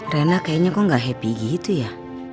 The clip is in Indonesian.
rena kayaknya kok gak happy gitu ya